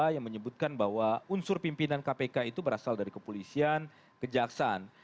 yang menyebutkan bahwa unsur pimpinan kpk itu berasal dari kepolisian kejaksaan